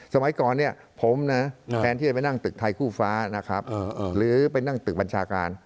สมัยก่อนเนี่ยผมนะแทนที่จะไปนั่งตึกไทยคู่ฟ้านะครับหรือไปนั่งตึกบัญชาการ